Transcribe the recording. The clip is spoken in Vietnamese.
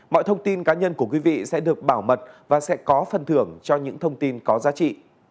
mọi thông tin cá nhân của quý vị sẽ được bảo mật và sẽ có phần thưởng cho những thông tin có giá trị